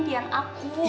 apa ada yang gak mungkin